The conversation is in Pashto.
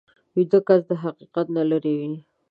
ویده کس د حقیقت نه لرې وي